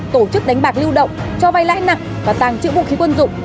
tổ chức đánh bạc lưu động cho vay lãi nặng và tàng trữ vũ khí quân dụng